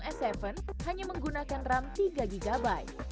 s tujuh hanya menggunakan ram tiga gb